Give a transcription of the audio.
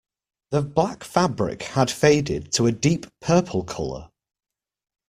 The black fabric had faded to a deep purple colour.